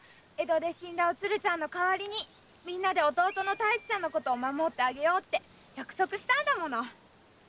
江戸で死んだおつるちゃんの代わりにみんなで弟の太一ちゃんのこと守ってあげようって約束したの。